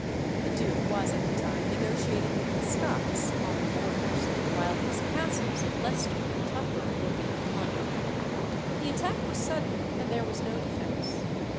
The duke was at the time negotiating with the Scots on the Borders, while his castles of Leicester and Tutbury were being plundered. The attack was sudden, and there was no defence.